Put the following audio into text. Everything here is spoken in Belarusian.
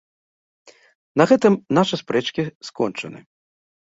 На гэтым нашы спрэчкі скончаны.